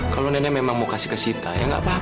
kalo nenek memang mau kasih ke sita ya gak papa